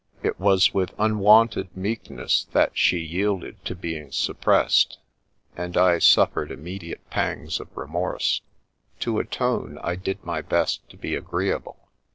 It was with unwonted meekness that she yielded to being suppressed, and I suffered imme diate pangs of remorse. To atone, I did my best to be agreeable.